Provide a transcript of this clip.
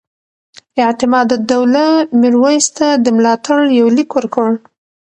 اعتمادالدولة میرویس ته د ملاتړ یو لیک ورکړ.